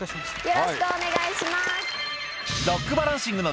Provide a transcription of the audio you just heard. よろしくお願いします。